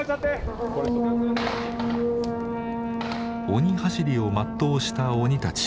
鬼はしりを全うした鬼たち。